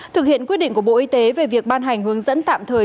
thực hiện quyết định của bộ y tế về việc ban hành hướng dẫn tạm thời